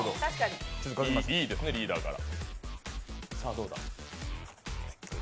いいですね、リーダーから。